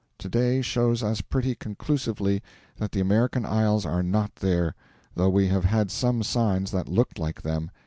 To day shows us pretty conclusively that the American Isles are not there, though we have had some signs that looked like them.